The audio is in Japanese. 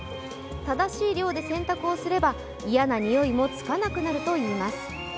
正しい量で選択をすれば嫌なにおいもつかなくなるといいます。